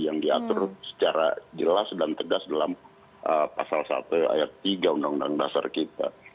yang diatur secara jelas dan tegas dalam pasal satu ayat tiga undang undang dasar kita